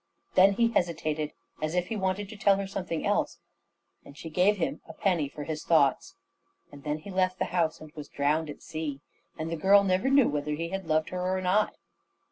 Then he hesitated, as if he wanted to tell her something else, and she gave him a penny for his thoughts; and then he left the house, and was drowned at sea, and the girl never knew whether he had loved her or not.